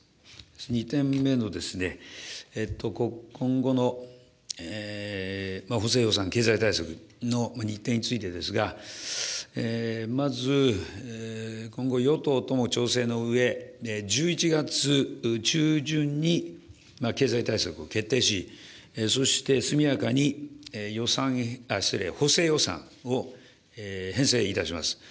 ２点目の、今後の補正予算、経済対策の日程についてですが、まず、今後与党とも調整のうえ、１１月中旬に経済対策を決定し、そして、速やかに補正予算を編成いたします。